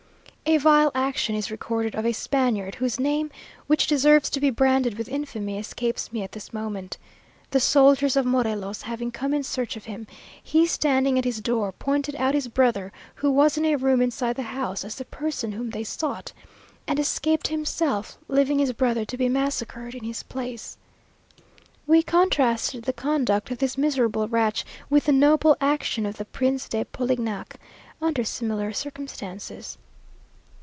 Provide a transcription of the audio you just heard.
A vile action is recorded of a Spaniard, whose name, which deserves to be branded with infamy, escapes me at this moment. The soldiers of Morelos having come in search of him, he, standing at his door, pointed out his brother, who was in a room inside the house, as the person whom they sought; and escaped himself, leaving his brother to be massacred in his place. We contrasted the conduct of this miserable wretch with the noble action of the Prince de Polignac, under similar circumstances.